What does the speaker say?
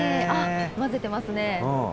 あっ、混ぜてますね。